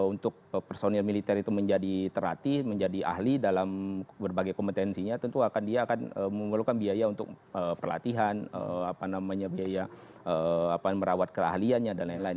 untuk personil militer itu menjadi terati menjadi ahli dalam berbagai kompetensinya tentu dia akan memerlukan biaya untuk perlatihan biaya merawat keahliannya dan lain lain